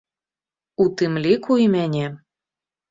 У тым ліку і мяне.